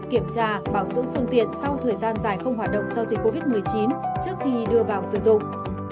kiểm tra bảo dưỡng phương tiện sau thời gian dài không hoạt động do dịch covid một mươi chín trước khi đưa vào sử dụng